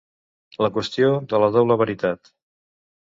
La qüestió de la doble veritat.